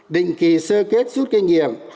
định kỳ sơ kết rút kinh nghiệm